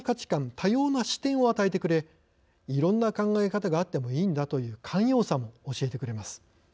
多様な視点を与えてくれいろんな考え方があってもいいんだという寛容さも教えてくれます。